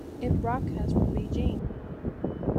It broadcasts from Beijing.